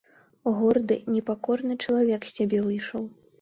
Горды, непакорны чалавек з цябе выйшаў!